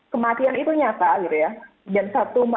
kematian itu nyata gitu ya